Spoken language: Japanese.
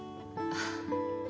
ああ。